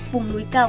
vùng núi cao